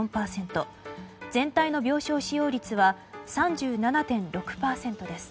全体の病床使用率は３７．６％です。